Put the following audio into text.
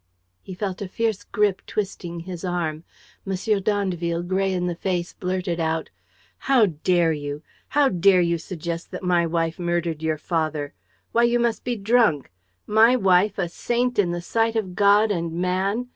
..." He felt a fierce grip twisting his arm. M. d'Andeville, gray in the face, blurted out: "How dare you? How dare you suggest that my wife murdered your father? Why, you must be drunk! My wife, a saint in the sight of God and man!